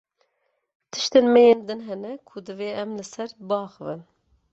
Tiştên me yên din hene ku divê em li ser biaxivin.